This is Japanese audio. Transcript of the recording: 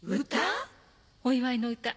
お祝いの歌。